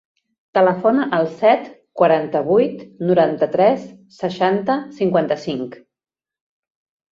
Telefona al set, quaranta-vuit, noranta-tres, seixanta, cinquanta-cinc.